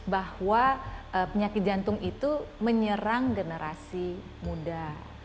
bahwa penyakit jantung itu menyerang generasi muda